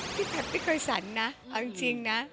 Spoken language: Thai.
พี่ผัดไม่เคยสรรนะเอาจริงนะ